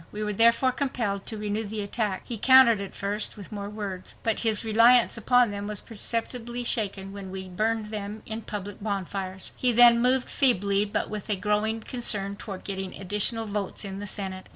We were therefore compelled to renew the attack. He countered at first with more words. But his reliance upon them was perceptibly shaken when we burned them in public bonfires. He then moved feebly but with a growing concern toward getting additional votes in the Senate.